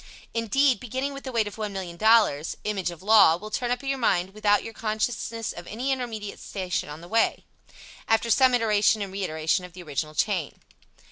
Indeed, beginning with the weight of $1,000,000, "image of law" will turn up in your mind without your consciousness of any intermediate station on the way, after some iteration and reiteration of the original chain.